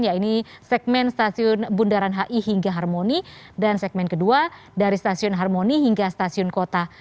yaitu segmen stasiun bundaran hi hingga harmoni dan segmen kedua dari stasiun harmoni hingga stasiun kota